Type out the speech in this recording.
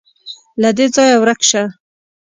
_له دې ځايه ورک شه.